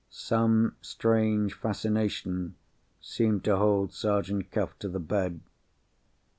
Some strange fascination seemed to hold Sergeant Cuff to the bed.